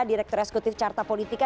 direktur eksekutif carta politika